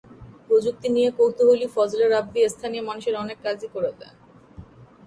প্রযুক্তি নিয়ে কৌতূহলী ফজলে রাব্বি স্থানীয় মানুষের অনেক কাজই করে দেন।